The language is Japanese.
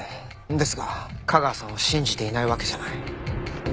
ですが架川さんを信じていないわけじゃない。